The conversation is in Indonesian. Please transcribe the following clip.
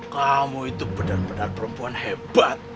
kamu itu benar benar perempuan hebat